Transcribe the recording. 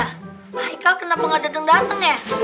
hai kau kenapa nggak datang datang ya